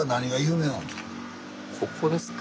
ここですか？